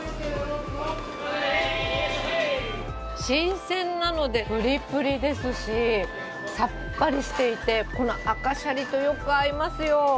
新鮮なので、ぷりぷりですし、さっぱりしていて、この赤シャリとよく合いますよ。